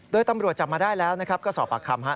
โดยตำรวจจับมาได้แล้วนะครับก็สอบปากคำฮะ